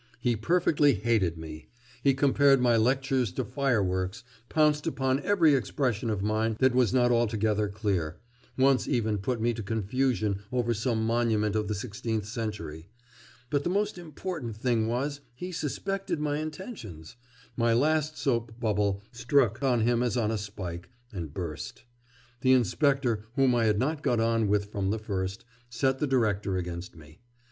He perfectly hated me; he compared my lectures to fireworks, pounced upon every expression of mine that was not altogether clear, once even put me to confusion over some monument of the sixteenth century.... But the most important thing was, he suspected my intentions; my last soap bubble struck on him as on a spike, and burst. The inspector, whom I had not got on with from the first, set the director against me.